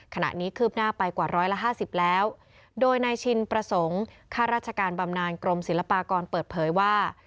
คืบหน้าไปกว่าร้อยละห้าสิบแล้วโดยนายชินประสงค์ข้าราชการบำนานกรมศิลปากรเปิดเผยว่า